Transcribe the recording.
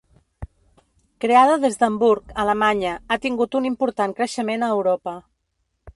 Creada des d'Hamburg, Alemanya, ha tingut un important creixement a Europa.